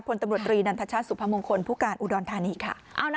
พลตำรวจตรีนันทชาติสุพมงคลผู้การอุดรธานีค่ะ